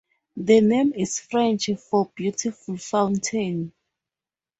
The name is French for "beautiful fountain".